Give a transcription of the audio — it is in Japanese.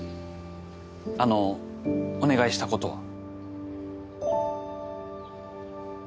あのお願いしたことは？